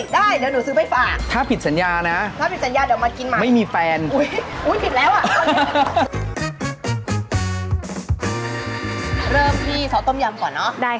ได้เดี๋ยวหนูซื้อไปฝาก